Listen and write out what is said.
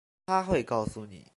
她会告诉你